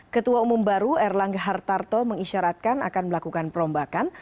ketua umum baru erlangga hartarto mengisyaratkan akan melakukan perombakan